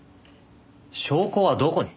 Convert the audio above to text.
証拠はどこに？